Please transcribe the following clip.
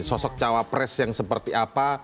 sosok cawapres yang seperti apa